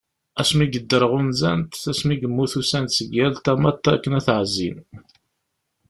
Asmi yedder ɣunzan-t, asmi yemmut usan-d seg yal tamnaḍt akken ad t-ɛezzin.